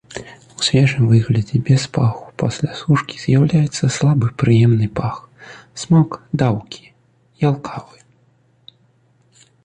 У свежым выглядзе без паху, пасля сушкі з'яўляецца слабы прыемны пах, смак даўкі, ялкавы.